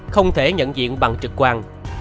không thể nhận diện bằng trực quan